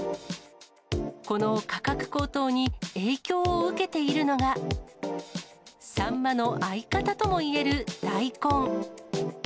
この価格高騰に、影響を受けているのが、サンマの相方ともいえる大根。